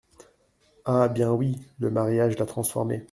Ah bien oui ! le mariage l’a transformée !